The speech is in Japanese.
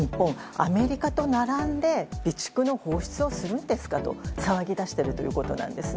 アメリカと並んで備蓄の放出をするんですかと騒ぎだしているんです。